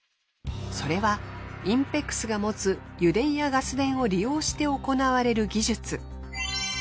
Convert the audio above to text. それはＩＮＰＥＸが持つ油田やガス田を利用して行われる技術。